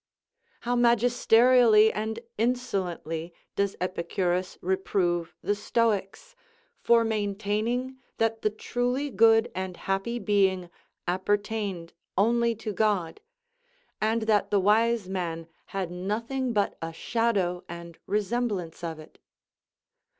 How magisterially and insolently does Epicurus reprove the Stoics, for maintaining that the truly good and happy being appertained only to God, and that the wise man had nothing but a shadow and resemblance of it!